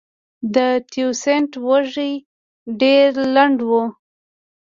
د تیوسینټ وږی ډېر لنډ و.